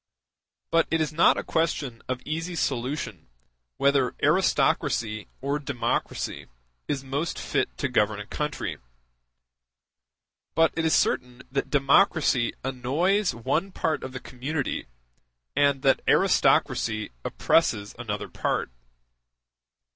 It is not a question of easy solution whether aristocracy or democracy is most fit to govern a country. But it is certain that democracy annoys one part of the community, and that aristocracy oppresses another part.